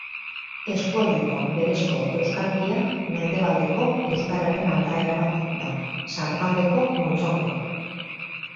Eskualdeko berezko euskalkia mendebaleko euskararen aldaera bat da, sartaldeko multzokoa.